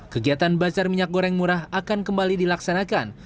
kegiatan bazar minyak goreng murah akan kembali dilaksanakan